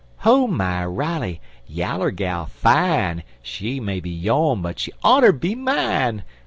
Ho my Riley! Yaller gal fine; She may be yone but she oughter be mine!